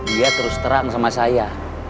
dia terus terang sama saya